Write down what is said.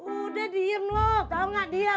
udah diam lo tau gak diam